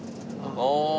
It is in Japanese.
ああ。